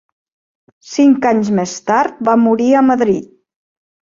Cinc anys més tard va morir a Madrid.